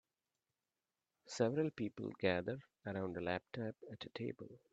Several people gather around a laptop at a table.